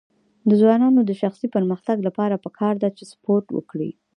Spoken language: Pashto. د ځوانانو د شخصي پرمختګ لپاره پکار ده چې سپورټ وکړي.